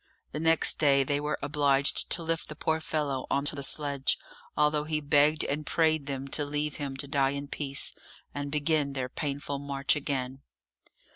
The next day they were obliged to lift the poor fellow on to the sledge, although he begged and prayed them to leave him to die in peace, and begin their painful march again.